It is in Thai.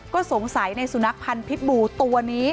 ก็สงสัยในสุนัขพันธ์พิษบูตัวนี้